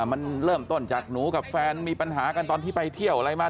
มันเริ่มต้นจากหนูกับแฟนมีปัญหากันตอนที่ไปเที่ยวอะไรมา